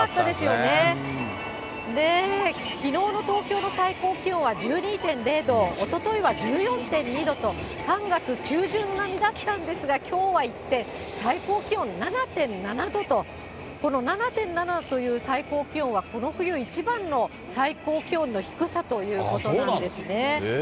ねえ、きのうの東京の最高気温は１２．０度、おとといは１４．２度と、３月中旬並みだったんですが、きょうは一転、最高気温７．７度と、この７．７という最高気温は、この冬一番の最高気温の低さということなんですね。